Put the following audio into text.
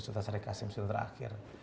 sultan sari hasim itu terakhir